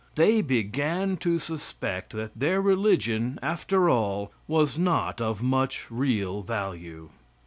They began to suspect, that their religion, after all, was not of much real value.